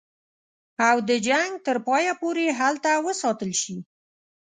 او د جنګ تر پایه پوري هلته وساتل شي.